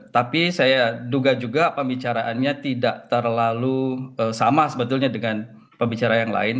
tapi saya duga juga pembicaraannya tidak terlalu sama sebetulnya dengan pembicara yang lain